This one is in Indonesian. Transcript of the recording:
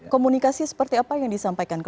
komunikasi seperti apa yang disampaikan